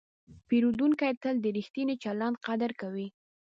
پیرودونکی تل د ریښتیني چلند قدر کوي.